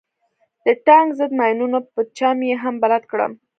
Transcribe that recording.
د ټانک ضد ماينونو په چم يې هم بلد کړم.